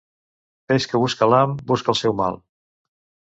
Peix que busca l'ham, busca el seu mal.